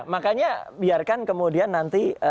makanya biarkan kemudian nanti